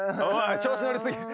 調子乗り過ぎ。